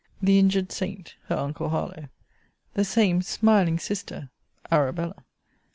The injured saint, her uncle Harlowe! The same smiling sister, Arabella!